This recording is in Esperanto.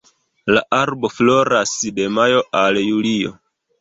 La arbo floras de majo al julio.